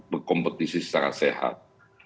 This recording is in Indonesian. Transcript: berkompetisi secara sehat